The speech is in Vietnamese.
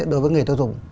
đối với người ta dùng